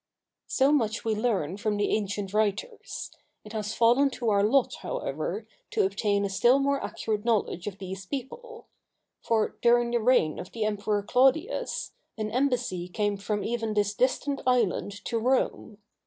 So much we learn from the ancient writers; it has fallen to our lot, however, to obtain a still more accurate knowledge of these people; for, during the reign of the Emperor Claudius, an embassy came from even this distant island to Rome.